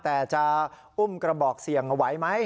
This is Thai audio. แต่จะอุ้มกระบอกเสี่ยงไหวไหม